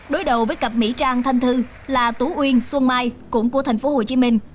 đối đầu với cặp mỹ trang thanh thư là tú uyên xuân mai cũng của tp hcm